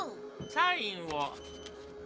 サインを。